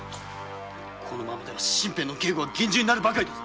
これでは身辺の警護が厳重になるばかりだ。